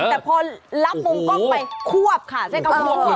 แต่พอลับมุมกล้องไปควบค่ะ